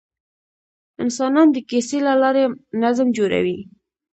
انسان د کیسې له لارې نظم جوړوي.